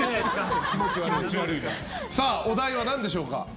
お題はなんでしょうか？